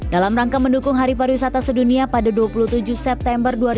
dalam rangka mendukung hari pariwisata sedunia pada dua puluh tujuh september dua ribu dua puluh